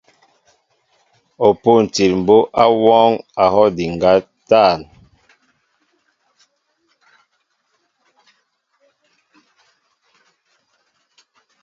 O pûntil mbǒ ó wɔɔŋ a hɔw ndiŋgá a tȃn.